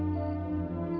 saya akan mencari suami saya